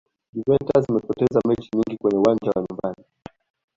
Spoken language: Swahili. juventus imepoteza mechi nyingi kwenye uwanja wa nyumbani